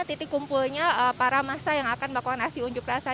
titik kumpulnya para masa yang akan melakukan aksi unjuk rasa